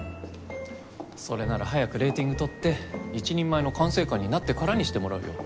それなら早くレーティング取って一人前の管制官になってからにしてもらうよ。